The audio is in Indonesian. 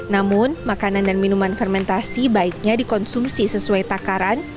namun makanan dan minuman fermentasi baiknya dikonsumsi sesuai takaran